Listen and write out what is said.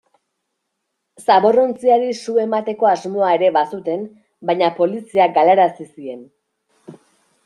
Zaborrontziari su emateko asmoa ere bazuten, baina poliziak galarazi zien.